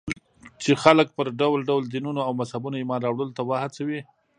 چې خلک پر ډول ډول دينونو او مذهبونو ايمان راوړلو ته وهڅوي.